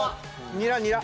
ニラニラ。